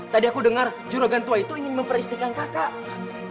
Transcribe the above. tadi aku dengar juragan tua itu ingin memperistikkan kakak